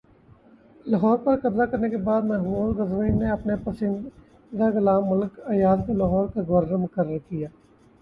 لاہور پر قبضہ کرنے کے بعد محمود غزنوی نے اپنے پسندیدہ غلام ملک ایاز کو لاہور کا گورنر مقرر کیا